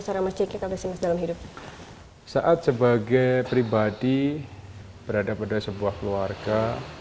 seorang masjidnya kelas dalam hidup saat sebagai pribadi berada pada sebuah keluarga